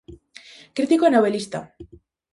Crítico e novelista.